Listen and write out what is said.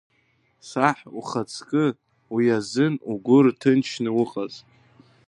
Саҳ, ухаҵкы, уи азын угәы рҭынчны уҟаз!